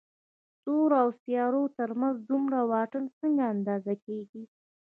ستورو او سيارو تر منځ دومره واټن څنګه اندازه کېږي؟